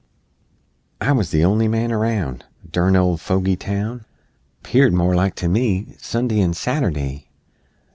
I wuz the on'y man aroun' (Durn old fogy town! 'Peared more like, to me, Sund'y 'an _Saturd'y!